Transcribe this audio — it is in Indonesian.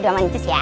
udah mancus ya